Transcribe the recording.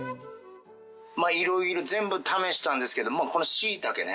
まあいろいろ全部試したんですけどもこのしいたけね。